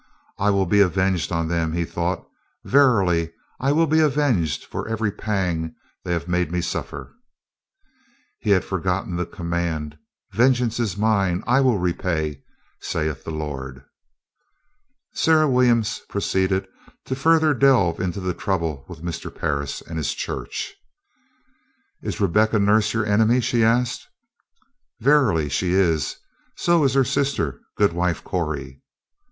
"I will be avenged on them," he thought. "Verily, I will be avenged for every pang they have made me suffer." He had forgotten the command, "Vengeance is mine, I will repay, saith the Lord." Sarah Williams proceeded to further delve into the trouble with Mr. Parris and his church. "Is Rebecca Nurse your enemy?" she asked. "Verily, she is; so is her sister Goodwife Corey."